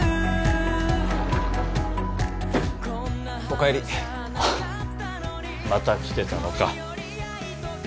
お帰りまた来てたのか